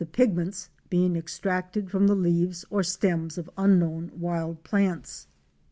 pigments being extracted from the leaves or stems of unknown wild plants.